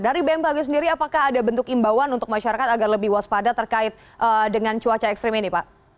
dari bmkg sendiri apakah ada bentuk imbauan untuk masyarakat agar lebih waspada terkait dengan cuaca ekstrim ini pak